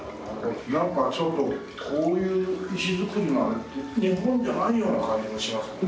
なんかちょっとこういう石造りのあれって日本じゃないような感じもしますよね。